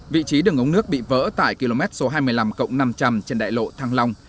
vị trí đường ống nước bị vỡ tại km số hai mươi năm cộng năm trăm linh trên đại lộ thăng long